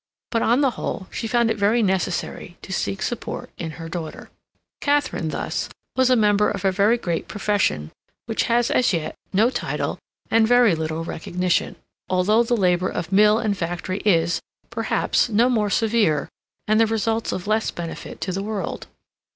But, on the whole, she found it very necessary to seek support in her daughter. Katharine, thus, was a member of a very great profession which has, as yet, no title and very little recognition, although the labor of mill and factory is, perhaps, no more severe and the results of less benefit to the world.